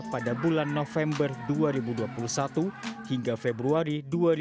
pada bulan november dua ribu dua puluh satu hingga februari dua ribu dua puluh